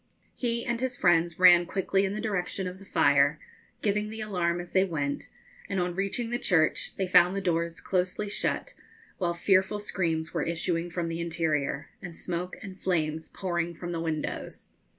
He and his friends ran quickly in the direction of the fire, giving the alarm as they went, and on reaching the church they found the doors closely shut, while fearful screams were issuing from the interior, and smoke and flames pouring from the windows.